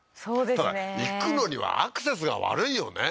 ただ行くのにはアクセスが悪いよね